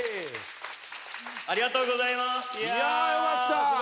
ありがとうございます！